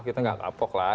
kita enggak kapok lah